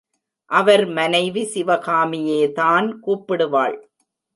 அவர் மனைவி சிவகாமியேதான் கூப்பிடுவாள்.